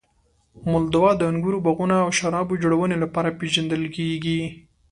مولدوا د انګورو باغونو او شرابو جوړونې لپاره پېژندل کیږي.